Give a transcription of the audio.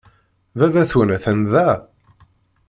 Baba-twen atan da?